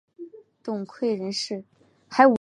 董槐人士。